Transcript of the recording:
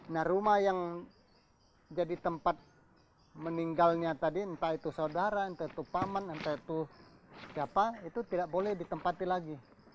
nah rumah yang jadi tempat meninggalnya tadi entah itu saudara entah itu paman entah itu siapa itu tidak boleh ditempati lagi